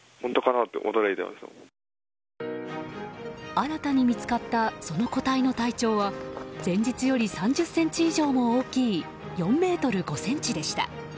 新たに見つかったその個体の体長は前日より３０ｃｍ以上も大きい４ｍ５ｃｍでした。